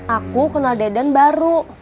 aku kenal deden baru